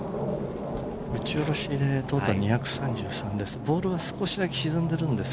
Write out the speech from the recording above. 打ち下ろしてトータル２３３です。